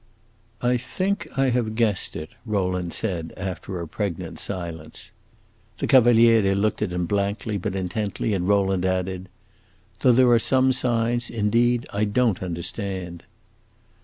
"I think I have guessed it," Rowland said, after a pregnant silence. The Cavaliere looked at him blankly but intently, and Rowland added, "Though there are some signs, indeed, I don't understand."